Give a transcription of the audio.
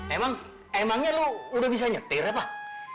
emang emangnya lo udah bisa nyetir ya pak